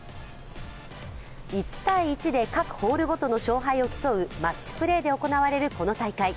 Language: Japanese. １対１で各ホールごとの勝敗を競うマッチプレーで行われるこの大会。